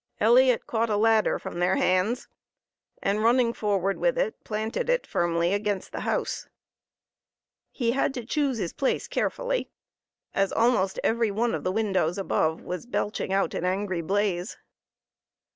Elliot caught a ladder from their hands and, running forward with it, planted it firmly against the house. He had to choose his place carefully, as almost every one of the windows above was belching out an angry blaze.